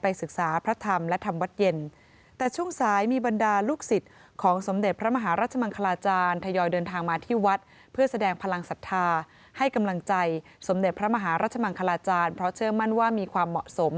เพราะเชิงมั่นว่ามีความเหมาะสม